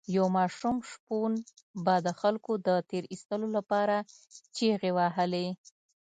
یو ماشوم شپون به د خلکو د تیر ایستلو لپاره چیغې وهلې.